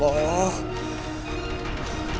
tunggu di sini